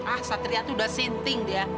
ah satria tuh udah sinting dewi